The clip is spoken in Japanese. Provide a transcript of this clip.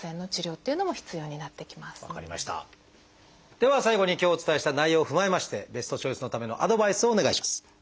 では最後に今日お伝えした内容を踏まえましてベストチョイスのためのアドバイスをお願いします。